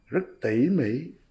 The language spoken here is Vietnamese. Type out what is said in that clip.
rất tỉ mỉ